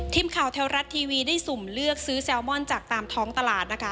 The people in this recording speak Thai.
ทีมข่าวแท้รัฐทีวีได้สุ่มเลือกซื้อแซลมอนจากตามท้องตลาดนะคะ